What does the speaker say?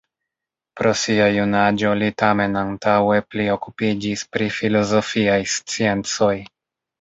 Pro sia junaĝo li tamen antaŭe pli okupiĝis pri filozofiaj sciencoj.